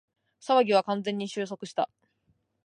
騒ぎは完全に収束した